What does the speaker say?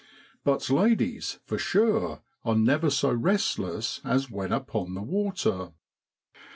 But ladies, for sure, are never so restless as when upon the water